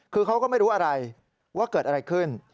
คือเขาก็ไม่รู้อะไรว่าเกิดอะไรขึ้น